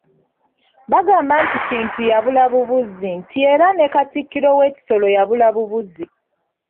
Bagamba nti Kintu yabula bubuzi, nti era ne Katikkiro we Kisolo yabula bubuzi.